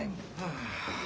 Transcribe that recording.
ああ。